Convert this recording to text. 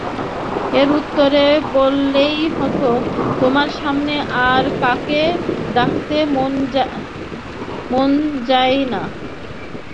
এর উত্তরে বললেই হত, তোমার আসনে আর কাকে ডাকতে মন যায় না।